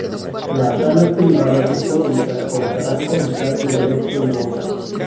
Las salas privadas o públicas contarán con chat de texto y voz.